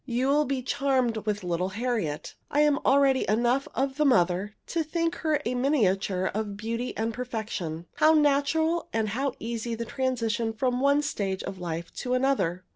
You will be charmed with little Harriet. I am already enough of the mother to think her a miniature of beauty and perfection. How natural and how easy the transition from one stage of life to another!